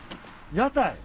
屋台。